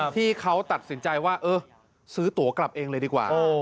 ที่เขาตัดสินใจว่าเออซื้อตัวกลับเองเลยดีกว่า